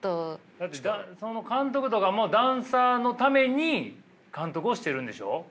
だってその監督とかもダンサーのために監督をしてるんでしょう？